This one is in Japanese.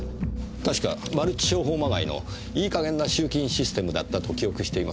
確かマルチ商法まがいのいい加減な集金システムだったと記憶しています。